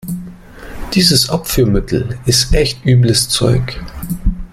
Dieses Abführmittel ist echt übles Zeug.